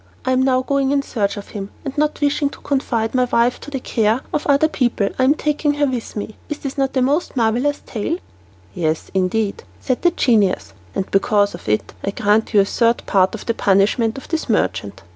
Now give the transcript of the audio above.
I am now going in search of him, and not wishing to confide my wife to the care of other people, I am taking her with me. Is this not a most marvellous tale? "It is indeed," said the genius, "and because of it I grant to you the third part of the punishment of this merchant."